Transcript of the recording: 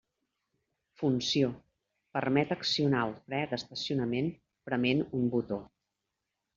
Funció: permet accionar el fre d'estacionament prement un botó.